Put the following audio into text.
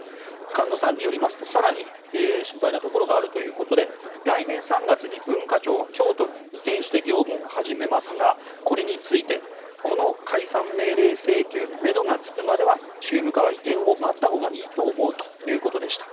菅野さんによりますと更に心配なところがあるということで来年３月に文化庁は京都に移転して業務を始めますがこれについてこの解散命令請求のめどがつくまでは宗務課は移転を待ったほうがいいと思うということでした。